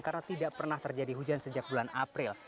karena tidak pernah terjadi hujan sejak bulan april